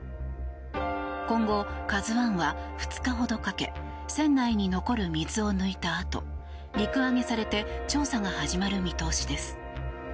今後、「ＫＡＺＵ１」は２日ほどかけ船内に残る水を抜いたあと陸揚げされて調査が始まる見通しです。